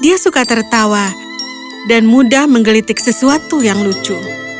dia suka tertawa dan mudah menggelitik sesuatu yang lucu